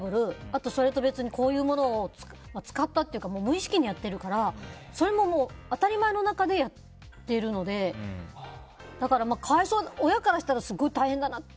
あと、それと別にこういうものを使って無意識にやってるからそれも当たり前の中でやってるので、親からしたらすごい大変だなって